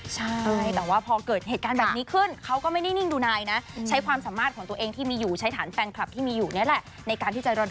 จะระดมเงินช่วยเหลือใช่แล้วนะคะ